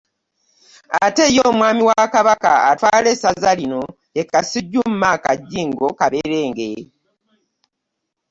Ate ye Omwami wa Kabaka atwala essaza lino ye Kasujju, Mark Jjingo Kaberenge